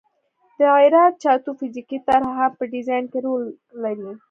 د عراده جاتو فزیکي طرح هم په ډیزاین کې رول لري